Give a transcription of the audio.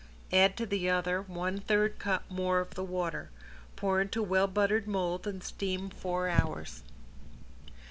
Add to the other one third cup more of the water. Pour into well buttered mold and steam four hours.